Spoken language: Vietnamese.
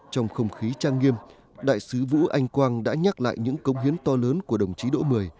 trong không khí trang nghiêm đại sứ vũ anh quang đã nhắc lại những công hiến to lớn của đồng chí độ một mươi